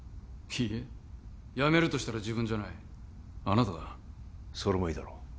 ＤＣＵいいえ辞めるとしたら自分じゃないあなただそれもいいだろう